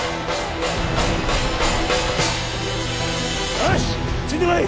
よしついてこい！